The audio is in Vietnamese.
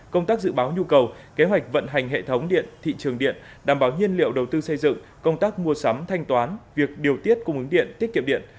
công tác dự báo nhu cầu kế hoạch vận hành hệ thống điện thị trường điện đảm bảo nhiên liệu đầu tư xây dựng công tác mua sắm thanh toán việc điều tiết cung ứng điện tiết kiệm điện